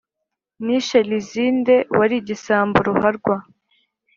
Nishe Lizinde wari igisambo ruharwa